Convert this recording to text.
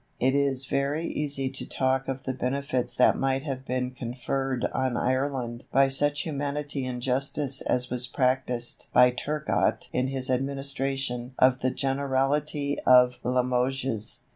It is very easy to talk of the benefits that might have been conferred on Ireland by such humanity and justice as was practised by Turgot in his administration of the Generality of Limoges.